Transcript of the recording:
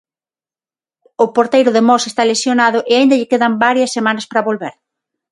O porteiro de Mos está lesionado e aínda lle quedan varias semanas para volver.